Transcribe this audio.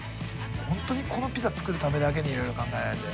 本当にこのピザ作るためだけにいろいろ考えられて。